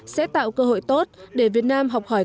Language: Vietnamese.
sẽ tạo cơ hội tốt để việt nam học hỏi